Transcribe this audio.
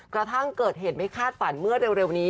กระทั่งเกิดเหตุไม่คาดฝันเมื่อเร็วนี้